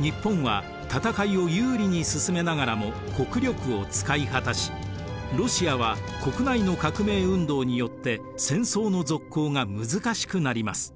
日本は戦いを有利に進めながらも国力を使い果たしロシアは国内の革命運動によって戦争の続行が難しくなります。